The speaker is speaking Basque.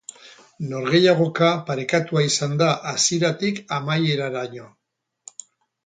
Norgehiagoka parekatua izan da hasieratik amaieraraino.